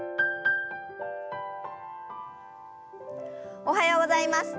おはようございます。